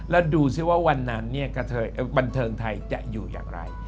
แล้วดูสิว่าวันนั้นบันเทิงไทยจะอยู่อย่างไร